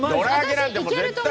私いけると思う。